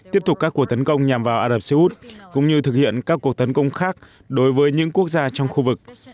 tiếp tục các cuộc tấn công nhằm vào ả rập xê út cũng như thực hiện các cuộc tấn công khác đối với những quốc gia trong khu vực